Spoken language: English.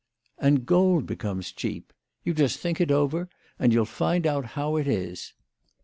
" And gold becomes cheap. You just think it over, and you'll find how it is.